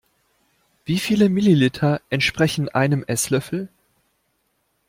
Wie viele Milliliter entsprechen einem Esslöffel?